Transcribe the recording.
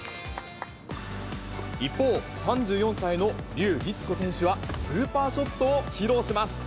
一方、３４歳の笠りつ子選手は、スーパーショットを披露します。